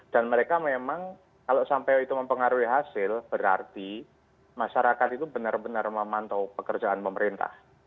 dan mereka memang kalau sampai itu mempengaruhi hasil berarti masyarakat itu benar benar memantau pekerjaan pemerintah